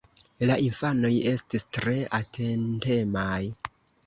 La infanoj estis tre atentemaj.